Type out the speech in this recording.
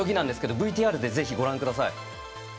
ＶＴＲでぜひ、ご覧ください。